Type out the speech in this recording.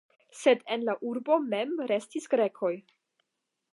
Sed en la urbo mem restis grekoj.